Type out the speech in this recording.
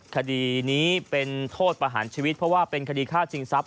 คดีนี้เป็นโทษประหารชีวิตเพราะว่าเป็นคดีฆ่าจิงทรัพย